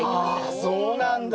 ああそうなんだ！